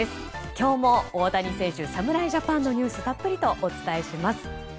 今日も大谷選手侍ジャパンのニュースをたっぷりお伝えします。